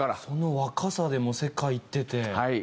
その若さで世界いってて。